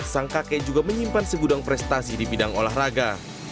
sang kakek juga menyimpan segudang prestasi di bidang olahraga